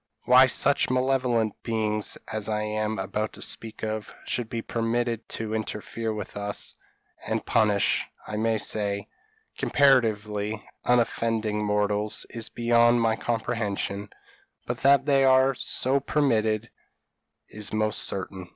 Why such malevolent beings as I am about to speak of, should be permitted to interfere with us, and punish, I may say, comparatively unoffending mortals, is beyond my comprehension; but that they are so permitted is most certain."